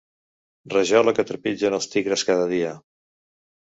Rajola que trepitgen els tigres cada dia.